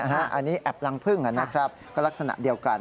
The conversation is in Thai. อันนี้แอบรังพึ่งนะครับก็ลักษณะเดียวกัน